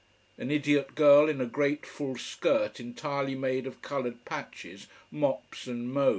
An idiot girl in a great full skirt entirely made of coloured patches mops and mows.